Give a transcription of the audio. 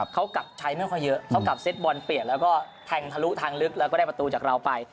เขากลับใช้ไม่ค่อยเยอะเขากลับเซ็ตบอลเปลี่ยนแล้วก็แทงทะลุทางลึกแล้วก็ได้ประตูจากเราไป